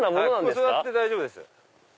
ここ座って大丈夫です。